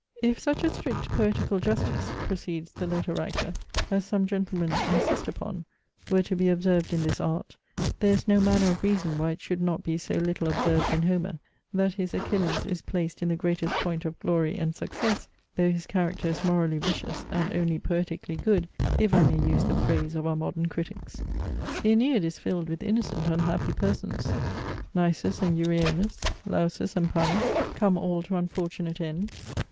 'If such a strict poetical justice (proceeds the letter writer,) as some gentlemen insist upon, were to be observed in this art, there is no manner of reason why it should not be so little observed in Homer, that his Achilles is placed in the greatest point of glory and success, though his character is morally vicious, and only poetically good, if I may use the phrase of our modern critics. The Ænead is filled with innocent unhappy persons. Nisus and Euryalus, Lausus and Pallas, come all to unfortunate ends.